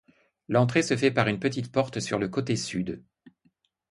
L'entrée se fait par une petite porte sur le côté sud.